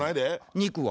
肉は？